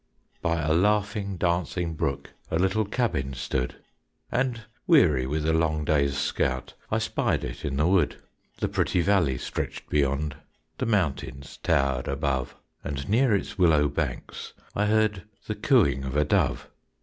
By a laughing, dancing brook A little cabin stood, And weary with a long day's scout, I spied it in the wood. The pretty valley stretched beyond, The mountains towered above, And near its willow banks I heard The cooing of a dove.